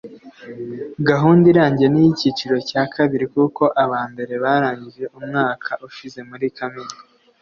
gahunda irangiye ni iy'icyiciro cya kabiri kuko aba mbere barangije umwaka ushize muri kamena